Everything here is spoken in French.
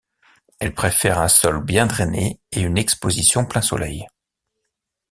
Elle préfère un sol bien drainé et une exposition plein soleil.